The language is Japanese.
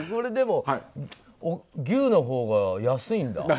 でも、牛のほうが安いんだ。